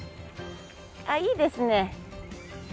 あっいいですね。